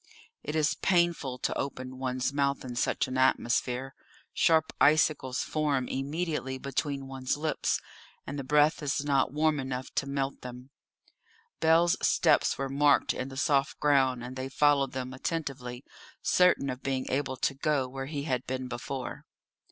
It is painful to open one's mouth in such an atmosphere; sharp icicles form immediately between one's lips, and the breath is not warm enough to melt them. Bell's steps were marked in the soft ground, and they followed them attentively, certain of being able to go where he had been before.